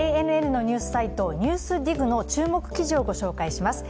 ＪＮＮのニュースサイト「ＮＥＷＳＤＩＧ」の注目記事をご紹介します。